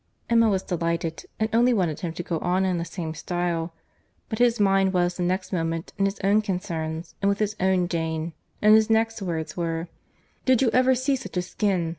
Emma was delighted, and only wanted him to go on in the same style; but his mind was the next moment in his own concerns and with his own Jane, and his next words were, "Did you ever see such a skin?